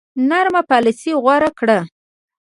نرمه پالیسي غوره کړه.